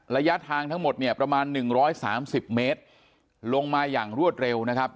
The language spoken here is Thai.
ระยะทางทั้งหมดเนี่ยประมาณ๑๓๐เมตรลงมาอย่างรวดเร็วนะครับ